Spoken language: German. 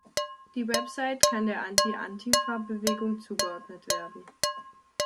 Die Website kann der Anti-Antifa-Bewegung zugeordnet werden.